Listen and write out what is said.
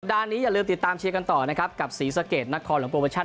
ดาร์กี้อย่าลืมติดตามเชียร์กันต่อนะครับกับสีสะเกดนักคอร์เรียงโปรเบอร์ชั่น